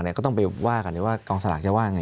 ก็ไหว่ากันเลยก็อยู่ว่ากันเนี่ยว่ากองศะลากจะว่าไง